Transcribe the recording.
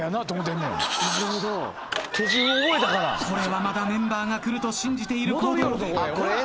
これはまだメンバーが来ると信じている行動。